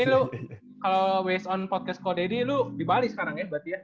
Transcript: ini lu kalo waze on podcast ko daddy lu di bali sekarang ya berarti ya